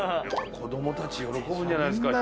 子供たち喜ぶんじゃないですか？